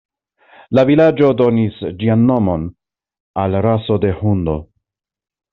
La vilaĝo donis ĝian nomon al raso de hundo.